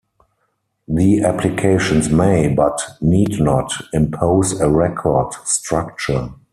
The applications may, but need not, impose a record structure.